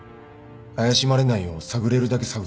怪しまれないよう探れるだけ探った。